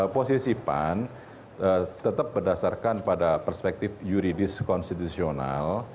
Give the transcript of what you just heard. posisi pan tetap berdasarkan pada perspektif yuridis konstitusional